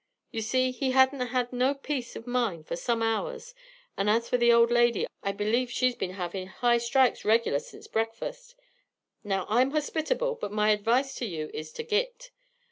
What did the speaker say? You see, he hadn't had no peace of mind for some hours, and as for the old lady I believe she's been havin' high strikes regular since breakfast. Now, I'm hospitable, but my advice to you is to git.